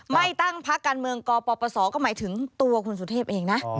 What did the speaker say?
ไม่ตั้งพักการเมืองกปศก็หมายถึงตัวคุณสุเทพเองนะ